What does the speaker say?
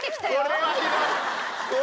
これはひどい！